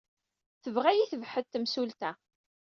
Tebɣa ad iyi-tebḥet temsulta.